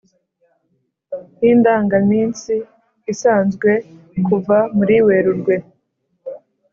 y’indangaminsi isanzwe kuva muri werurwe